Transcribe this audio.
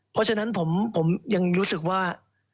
เพราะฉะนั้นผมยังรู้สึกว่า